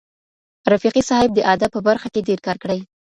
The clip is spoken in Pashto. رفیقي صاحب د ادب په برخه کي ډېر کار کړی.